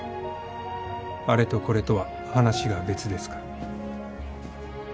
あれとこれとは話が別ですから。